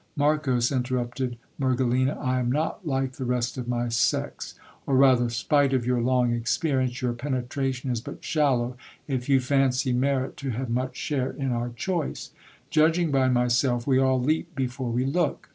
Marcos, interrupted Mergelina, I am not like the rest of my sex ; or rather, spite of your long experience, your penetration is but shallow if you fancy merit to have much share in our choice. Judging by my self, we all leap before we look.